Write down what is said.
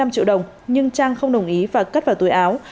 năm triệu đồng nhưng trang không đồng ý và cất vào túi áo